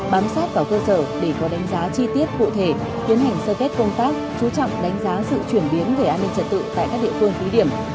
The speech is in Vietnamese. bám sát vào cơ sở để có đánh giá chi tiết cụ thể tiến hành sơ kết công tác chú trọng đánh giá sự chuyển biến về an ninh trật tự tại các địa phương thí điểm